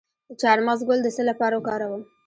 د چارمغز ګل د څه لپاره وکاروم؟